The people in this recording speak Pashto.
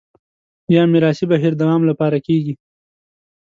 یا میراثي بهیر دوام لپاره کېږي